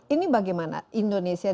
ini bagaimana indonesia